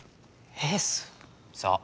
そう。